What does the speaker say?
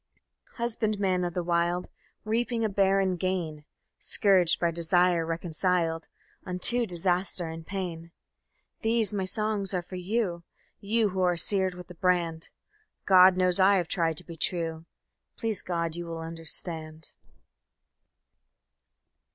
_ Husbandman of the Wild, Reaping a barren gain; Scourged by desire, reconciled Unto disaster and pain; _These, my songs, are for you, You who are seared with the brand. God knows I have tried to be true; Please God you will understand.